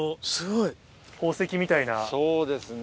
そうですね。